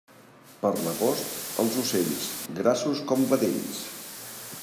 Per l'agost, els ocells, grassos com vedells.